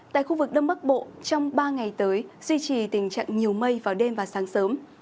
tại khu vực đông bắc bộ trong ba ngày tới duy trì tình trạng nhiều mây vào đêm và sáng sớm